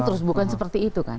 terus bukan seperti itu kan